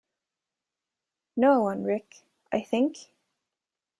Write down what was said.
No one, Rick, I think?